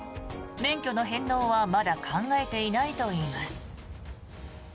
免許の返納はまだ考えていないといいます。